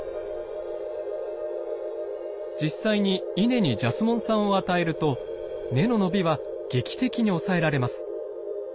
実際にイネにジャスモン酸を与えると根の伸びは劇的に抑えられます。